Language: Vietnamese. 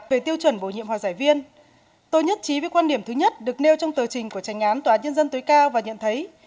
về tiêu chuẩn bổ nhiệm hòa giải viên tôi nhất trí với quan điểm thứ nhất được nêu trong tờ trình của trành án tòa án nhân dân tối cao và nhận thấy